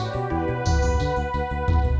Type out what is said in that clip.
saya juga bers dorong